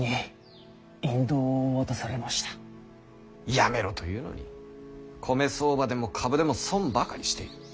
やめろと言うのに米相場でも株でも損ばかりしている。